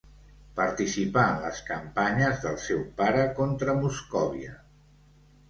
Participà en les campanyes del seu pare contra Moscòvia.